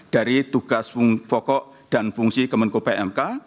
dari tugas pokok dan fungsi kemenko pmk